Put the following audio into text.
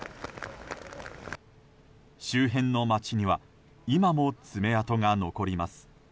周辺の街には今も爪痕が残ります。